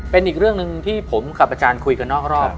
เป็นอีกเรื่องหนึ่งที่ผมกับอาจารย์คุยกันนอกรอบ